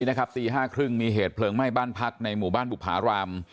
นี่นะครับตีห้าครึ่งมีเหตุเผลิงไหม้บ้านพักในหมู่บ้านบุภาราม